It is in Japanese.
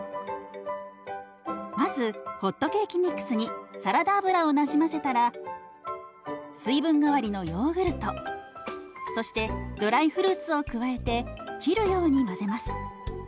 まずホットケーキミックスにサラダ油をなじませたら水分代わりのヨーグルトそしてドライフルーツを加えて切るように混ぜます。